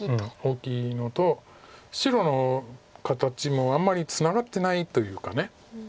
大きいのと白の形もあんまりツナがってないというか。